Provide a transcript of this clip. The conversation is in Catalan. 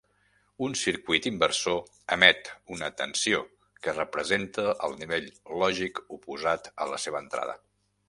Un circuit inversor emet una tensió que representa el nivell lògic oposat a la seva entrada.